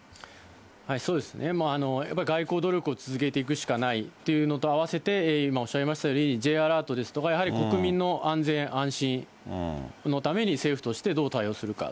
そうですね、やっぱり外交努力を続けていくしかないというのとあわせて、今おっしゃいましたように、Ｊアラートですとか、やはり国民の安全、安心のために政府としてどう対応するか。